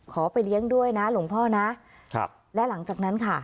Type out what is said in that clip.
ไปเลี้ยงด้วยนะหลวงพ่อนะครับและหลังจากนั้นค่ะ